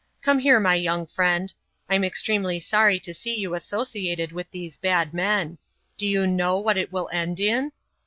Come here, my young friend : Tm extremely sorry to see you associated with these bad men ; do you know what it will end in